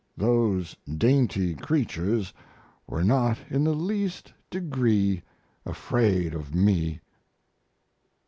Those dainty creatures were not in the least degree afraid of me.